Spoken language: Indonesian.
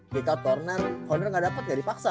kick out corner corner gak dapet gak dipaksa